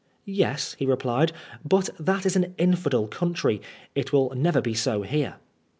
" Yes," he replied, " but that is an infidel country. It will never be so here."